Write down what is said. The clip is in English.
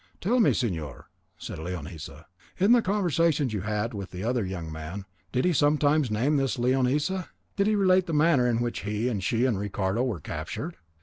"Tell me, señor," said Leonisa, "in the conversations you had with the other young man, did he sometimes name this Leonisa? Did he relate the manner in which he and she and Ricardo were captured?"